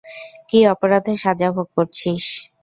কী অপরাধে সাজা ভোগ করছিস?